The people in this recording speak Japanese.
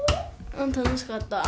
うん楽しかった。